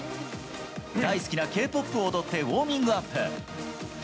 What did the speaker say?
大好きなＫ−ＰＯＰを踊ってウォーミングアップ。